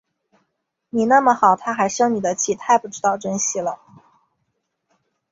你那么好，她还生你的气，太不知道珍惜了